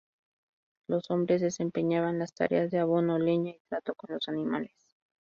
Los hombres desempeñaban las tareas de abono, leña y trato con los animales.